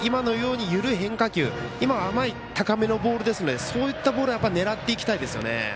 緩い変化球今は甘い高めのボールですのでそういったボールはやっぱり狙っていきたいですよね。